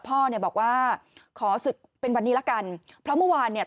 พ่อเนี่ยบอกว่าขอศึกเป็นวันนี้ละกันเพราะเมื่อวานเนี่ย